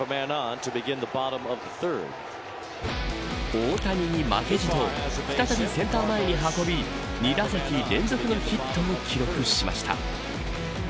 大谷に負けじと再びセンター前に運び２打席連続のヒットを記録しました。